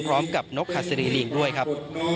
พร้อมกับนกขาซิลิงด้วยครับ